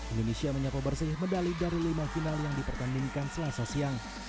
indonesia menyapa bersih medali dari lima final yang dipertandingkan selasa siang